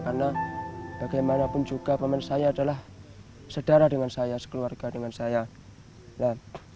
karena bagaimanapun juga paman saya adalah sedara dengan saya sekeluarga dengan saya